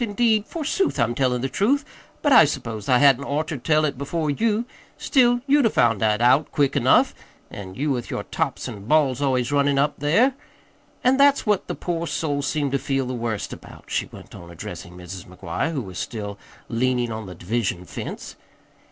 Indeed, forsooth, I'm tellin' the truth, but I s'pose I hadn't oughter told it before you. Still, you'd 'a' found it out quick enough an' you with your tops an' balls always runnin' up there. An' that's what the poor soul seemed to feel the worst about," she went on, addressing Mrs. McGuire, who was still leaning on the division fence.